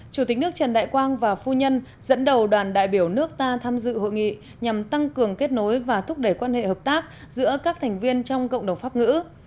chủ tịch nước trần đại quang và phu nhân dẫn đầu đoàn đại biểu nước ta tham dự hội nghị nhằm tăng cường kết nối và thúc đẩy quan hệ hợp tác giữa các thành viên trong cộng đồng pháp ngữ